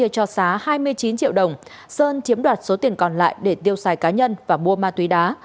cho xá hai mươi chín triệu đồng sơn chiếm đoạt số tiền còn lại để tiêu xài cá nhân và mua ma túy đá